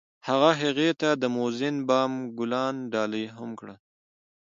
هغه هغې ته د موزون بام ګلان ډالۍ هم کړل.